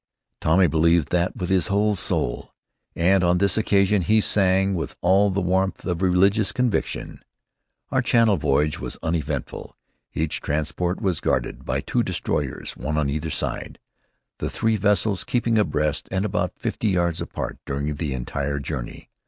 Tommy believes that with his whole soul, and on this occasion he sang with all the warmth of religious conviction. Our Channel voyage was uneventful. Each transport was guarded by two destroyers, one on either side, the three vessels keeping abreast and about fifty yards apart during the entire journey.